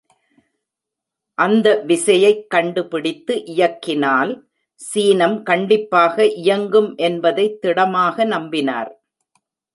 அந்த விசையைக் கண்டுபிடித்து இயக்கினால் சீனம் கண்டிப்பாக இயங்கும் என்பதைத் திடமாக நம்பினார்.